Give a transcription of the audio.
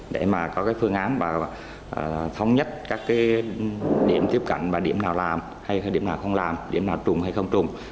để có phương án và thống nhất các điểm tiếp cận và điểm nào làm hay điểm nào không làm điểm nào trùng hay không trùng